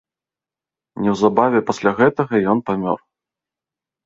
Неўзабаве пасля гэтага ён памёр.